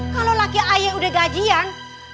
kalo laki aie udah gajian